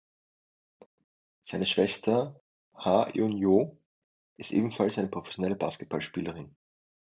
Seine Schwester Ha Eun-joo ist ebenfalls eine professionelle Basketball-Spielerin.